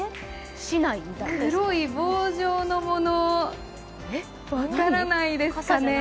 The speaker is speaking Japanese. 黒い棒状のもの、分からないですかね？